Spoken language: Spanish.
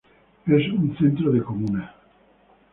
Es un centro de comuna.